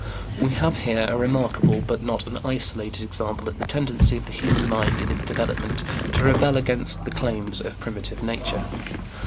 We have here a remarkable, but not an isolated, example of the tendency of the human mind in its development to rebel against the claims of primitive nature.